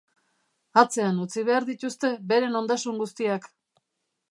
Atzean utzi behar dituzte beren ondasun guztiak!